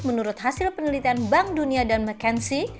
menurut hasil penelitian bank dunia dan mckenzi